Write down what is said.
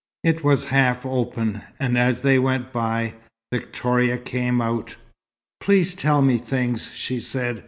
It was half open, and as they went by, Victoria came out. "Please tell me things," she said.